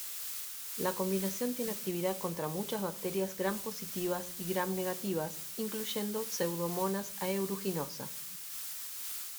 La combinación tiene actividad contra muchas bacterias Gram-positivas y Gram-negativas incluyendo "Pseudomonas aeruginosa".